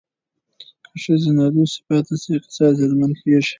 که ښځې نالوستې پاتې شي اقتصاد زیانمن کېږي.